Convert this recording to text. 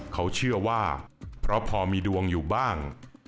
เขาเชื่อว่าเพราะพอมีดวงอยู่บ้าง